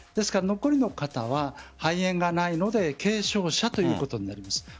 残りの方は肺炎がないので軽症者ということになります。